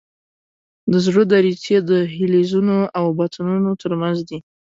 د زړه دریڅې د دهلیزونو او بطنونو تر منځ دي.